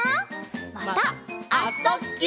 また「あ・そ・ぎゅ」